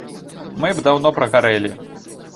Мы б даўно прагарэлі.